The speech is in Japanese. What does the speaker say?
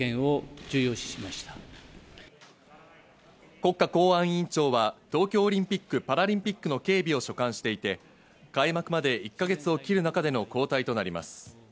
国家公安委員長は東京オリンピック・パラリンピックの警備を所管していて、開幕まで１か月を切る中での交代となります。